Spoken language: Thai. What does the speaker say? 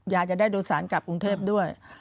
อยากจะได้โดยสารกลับกรุงเทพด้วย